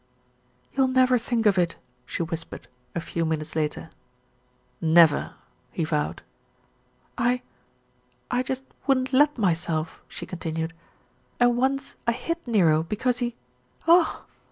"You'll never think of it," she whispered, a few minutes later. 350 THE RETURN OF ALFRED "Never," he vowed. "I, I just wouldn't let myself," she continued, "and once I hit Nero because he oh